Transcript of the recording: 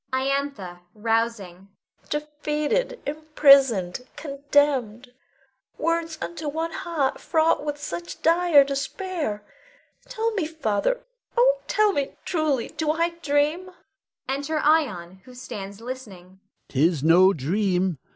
Iantha [rousing]. Defeated, imprisoned, condemned, words unto one heart fraught with such dire despair. Tell me, Father, oh, tell me truly, do I dream? [Enter Ion, who stands listening. Adrastus. 'Tis no dream.